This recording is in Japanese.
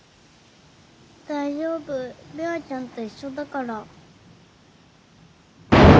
大丈夫べあちゃんと一緒だから。